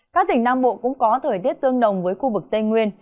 các tỉnh nam bộ cũng có thời tiết tương đồng với khu vực tây nguyên